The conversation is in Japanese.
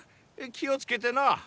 気を付けてな。